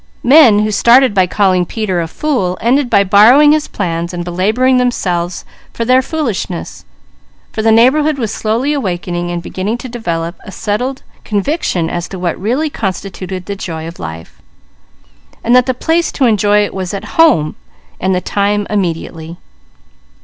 Men who started by calling Peter a fool, ended by borrowing his plans and belabouring themselves for their foolishness; for the neighbourhood was awakening and beginning to develop a settled conviction as to what constituted the joy of life, and that the place to enjoy it was at home, and the time immediately.